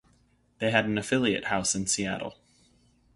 They had an affiliate house in Seattle.